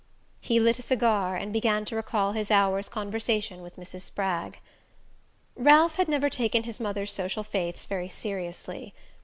He lit a cigar, and began to recall his hour's conversation with Mrs. Spragg. Ralph had never taken his mother's social faiths very seriously.